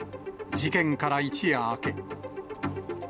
事件から一夜明け。